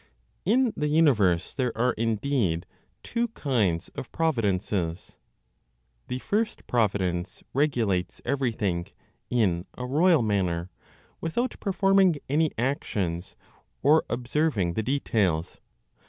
In the universe there are, indeed, two kinds of providences. The first Providence regulates everything in a royal manner, without performing any actions, or observing the details.